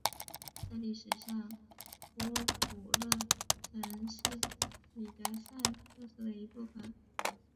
在历史上波普勒曾是米德塞克斯的一部分。